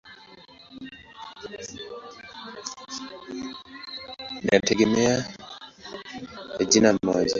Inategemea ya jina moja.